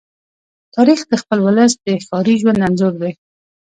تاریخ د خپل ولس د ښاري ژوند انځور دی.